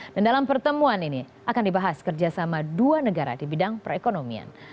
dan dalam pertemuan ini akan dibahas kerjasama dua negara di bidang perekonomian